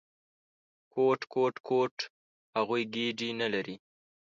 _کوټ، کوټ، کوټ… هغوی ګېډې نه لري!